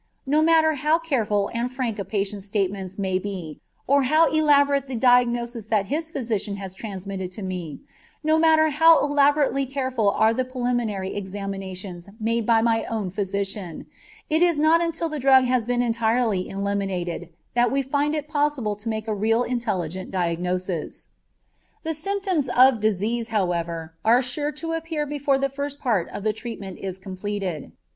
No matter how careful and frank a patient's statements may be or how elaborate the diagnosis that his physician has transmitted to me, no matter how elaborately careful are the preliminary examinations made by my own physician, it is not until the drug has been entirely eliminated that we find it possible to make a really intelligent diagnosis. The symptoms of disease, however, are sure to appear before the first part of the treatment is completed.